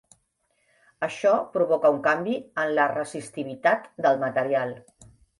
Això provoca un canvi en la resistivitat del material.